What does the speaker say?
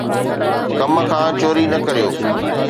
ڪم کان چوري نه ڪريو.